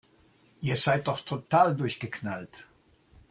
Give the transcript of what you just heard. Ihr seid doch total durchgeknallt!